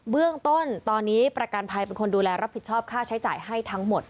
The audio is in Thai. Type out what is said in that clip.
เบื้องต้นตอนนี้ประกันภัยเป็นคนดูแลรับผิดชอบค่าใช้จ่ายให้ทั้งหมด